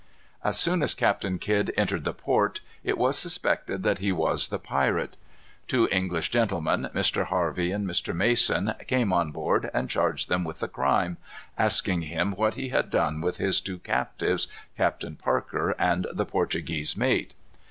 As soon as Captain Kidd entered the port, it was suspected that he was the pirate. Two English gentlemen, Mr. Harvey and Mr. Mason, came on board, and charged him with the crime, asking him what he had done with his two captives, Captain Parker and the Portuguese mate.